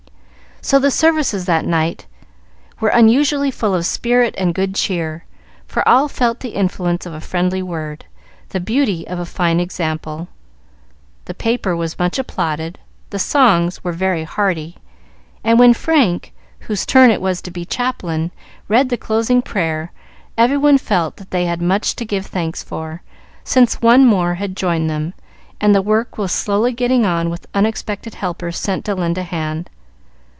So the services that night were unusually full of spirit and good cheer; for all felt the influence of a friendly word, the beauty of a fine example. The paper was much applauded, the songs were very hearty, and when Frank, whose turn it was to be chaplain, read the closing prayer, every one felt that they had much to give thanks for, since one more had joined them, and the work was slowly getting on with unexpected helpers sent to lend a hand.